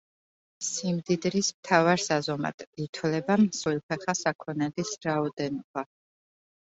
სიმდიდრის მთავარ საზომად ითვლება მსხვილფეხა საქონელის რაოდენობა.